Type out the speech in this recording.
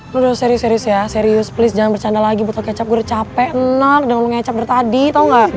lo udah serius serius ya serius please jangan bercanda lagi botol kecap gue udah capek enak udah ngomong kecap dari tadi tau gak